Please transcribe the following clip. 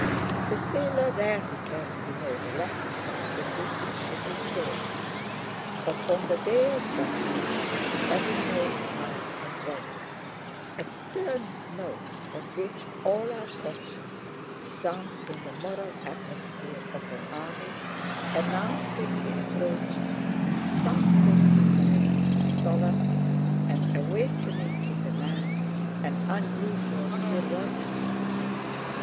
The sailor rarely cares to know the latitude in which his ship is sailing, but on the day of battle—heaven knows how and whence—a stern note of which all are conscious sounds in the moral atmosphere of an army, announcing the approach of something decisive and solemn, and awakening in the men an unusual curiosity.